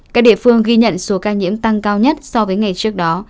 các địa phương ghi nhận số ca nhiễm tăng cao nhất so với ngày trước đó